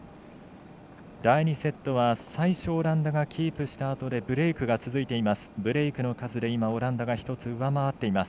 第２セットは最初オランダがキープしたあとでブレークが続いています。